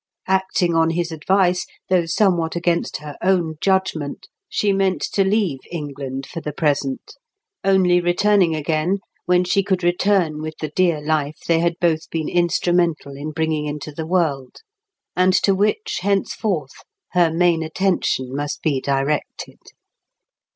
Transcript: Acting on his advice, though somewhat against her own judgment, she meant to leave England for the present, only returning again when she could return with the dear life they had both been instrumental in bringing into the world, and to which henceforth her main attention must be directed.